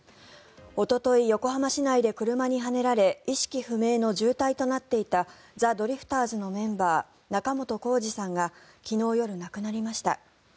おととい、横浜市内で車にはねられ意識不明の重体となっていたザ・ドリフターズのメンバー仲本工事さんが昨日夜、亡くなりました。